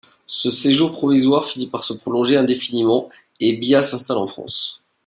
Ce séjour provisoire finit par se prolonger indéfiniment, et Bïa s'installe en France.